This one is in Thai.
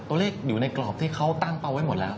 อยู่ในกรอบที่เขาตั้งเป้าไว้หมดแล้ว